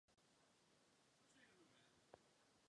V této organizaci hájí svoje zájmy a vystupují jako jeden celek.